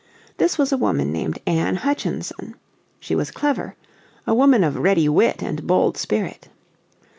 This was a woman named Anne Hutchinson. She was clever, "a woman of a ready wit and bold spirit."